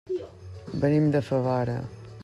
Venim de Favara.